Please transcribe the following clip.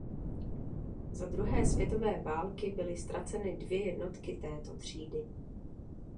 Za druhé světové války byly ztraceny dvě jednotky této třídy.